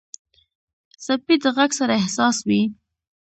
سپي د غږ سره حساس وي.